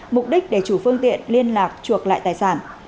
mục đích để chủ phương tiện liên lạc chuộc lại tài sản